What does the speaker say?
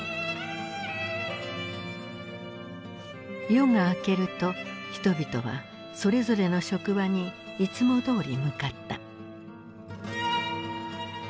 夜が明けると人々はそれぞれの職場にいつもどおり向かった。